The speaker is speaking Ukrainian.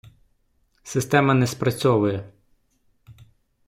Система не спрацьовує.